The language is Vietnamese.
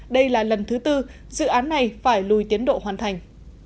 đây là lần thứ tư dự án này phải lùi tiến độ hoàn thành